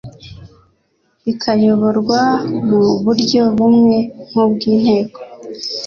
ikayoborwa mu buryo bumwe nk ubw Inteko